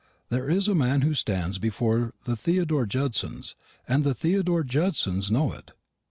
There is a man who stands before the Theodore Judsons, and the Theodore Judsons know it.